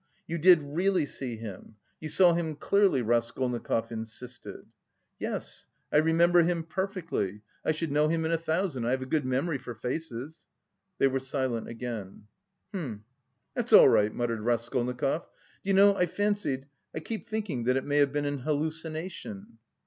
"You did really see him? You saw him clearly?" Raskolnikov insisted. "Yes, I remember him perfectly, I should know him in a thousand; I have a good memory for faces." They were silent again. "Hm!... that's all right," muttered Raskolnikov. "Do you know, I fancied... I keep thinking that it may have been an hallucination."